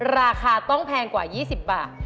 ราคาต้องแพงกว่า๒๐บาท